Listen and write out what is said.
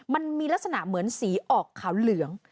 มันมีลักษณะเหมือนสีออกขาวเหลือง